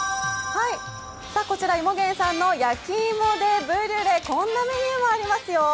こちら、芋源さんの焼き芋ｄｅブリュレ、こんなメニューもありますよ。